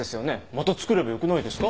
また作ればよくないですか？